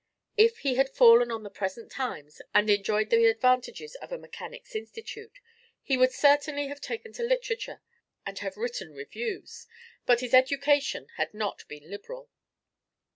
If he had fallen on the present times, and enjoyed the advantages of a Mechanic's Institute, he would certainly have taken to literature and have written reviews; but his education had not been liberal.